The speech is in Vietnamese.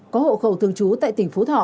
có hộ khẩu thường trú tại tỉnh phú thọ